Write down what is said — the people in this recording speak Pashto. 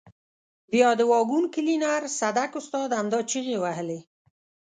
بیا د واګون کلینر صدک استاد همدا چیغې وهلې.